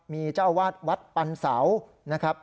มีเจ้าอาวาสวัดปันเสานะครับ